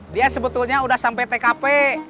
dia sebetulnya udah sampe tkp